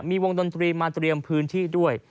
มีวงดนตรีมาเตรียมพื้นที่ด้วย